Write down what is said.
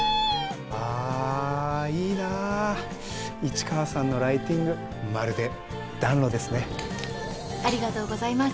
あいいな市川さんのライティングまるで暖炉ですね。ありがとうございます。